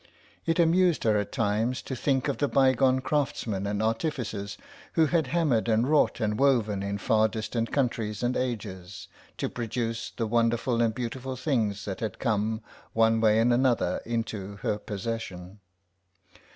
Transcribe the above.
It amused her at times to think of the bygone craftsmen and artificers who had hammered and wrought and woven in far distant countries and ages, to produce the wonderful and beautiful things that had come, one way and another, into her possession.